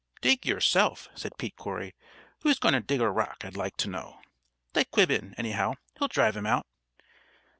"Dig yourself," said Pete Corry. "Who's going to dig a rock, I'd like to know?" "Let Quib in, anyhow. He'll drive him out."